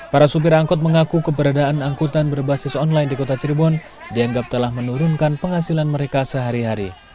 para supir angkut mengaku keberadaan angkutan berbasis online di kota cirebon dianggap telah menurunkan penghasilan mereka sehari hari